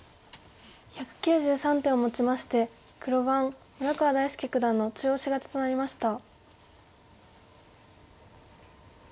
１９３手をもちまして黒番村川大介九段の中押し勝ちとなりました。